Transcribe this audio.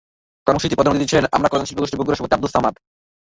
কর্মসূচিতে প্রধান অতিথি ছিলেন আমরা কজন শিল্পগোষ্ঠী বগুড়ার সভাপতি আবদুস সামাদ।